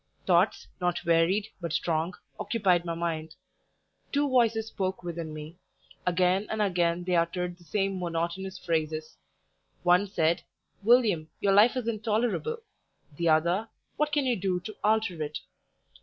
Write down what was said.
Thoughts, not varied but strong, occupied my mind; two voices spoke within me; again and again they uttered the same monotonous phrases. One said: "William, your life is intolerable." The other: "What can you do to alter it?"